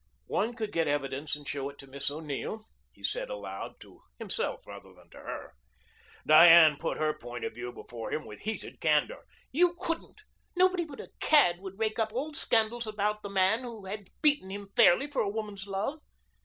"One could get evidence and show it to Miss O'Neill," he said aloud, to himself rather than to her. Diane put her point of view before him with heated candor. "You couldn't. Nobody but a cad would rake up old scandals about the man who has beaten him fairly for a woman's love."